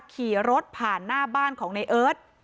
ขี่รถผ่านหน้าบ้านของในเอิร์ท